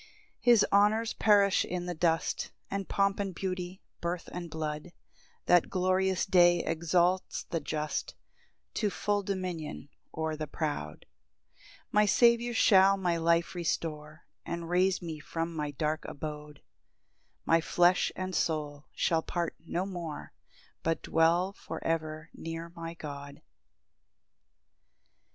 5 His honours perish in the dust, And pomp and beauty, birth and blood: That glorious day exalts the just To full dominion o'er the proud. 6 My Saviour shall my life restore, And raise me from my dark abode; My flesh and soul shall part no more, But dwell for ever near my God.